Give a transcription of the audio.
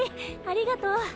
ありがとう。